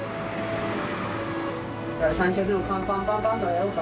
サンショウでもパンパンパンパンとやろうか。